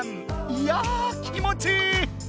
いや気もちいい！